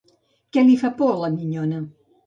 Què li fa por a la minyona?